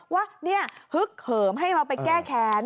ว่านี่ฮึกเหิมให้เราไปแก้แค้น